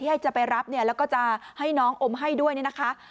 ให้จะไปรับเนี่ยแล้วก็จะให้น้องอมให้ด้วยเนี่ยนะคะ